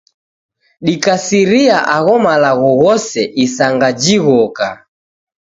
Diaisiria agho malagho ghose isanga jighoka